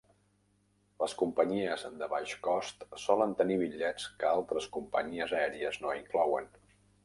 Les companyies de baix cost solen tenir bitllets que altres companyies aèries no inclouen.